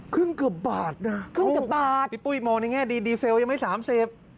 เกือบบาทนะครึ่งเกือบบาทพี่ปุ้ยมองในแง่ดีดีเซลยังไม่สามสิบ